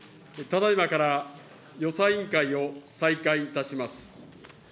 ただいまから予算委員会を再開いたします。